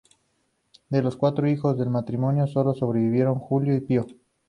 De los cuatro hijos del matrimonio, sólo sobrevivieron Julio y Pío.